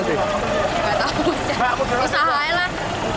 nggak tahu usaha lah